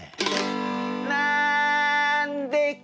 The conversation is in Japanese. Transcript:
「なんでか？」